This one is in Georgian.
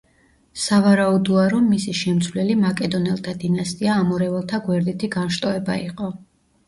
სავარაუდოა, რომ მისი შემცვლელი მაკედონელთა დინასტია ამორეველთა გვერდითი განშტოება იყო.